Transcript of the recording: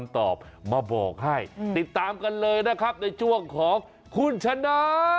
ติดตามกันเลยนะครับในช่วงของคุณชนะ